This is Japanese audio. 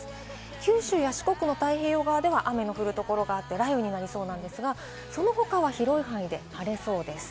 九州や四国の太平洋側では雨の降るところがあって雷雨の予想ですが、その他は広い範囲で晴れそうです。